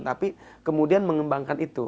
tapi kemudian mengembangkan itu